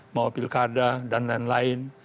mau pilkada dan lain lain